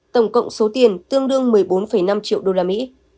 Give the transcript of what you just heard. tổng cộng số tiền tương đương một mươi bốn năm triệu đô la mỹ